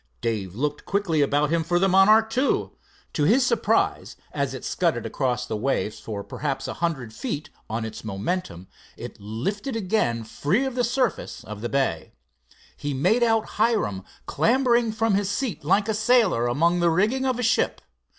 Dave looked quickly about him for the Monarch II. To his surprise, as it scudded across the waves for perhaps a hundred feet on its momentum, it lifted again free of the surface of the bay. He made out Hiram clambering from his seat like a sailor among the riggings of a ship.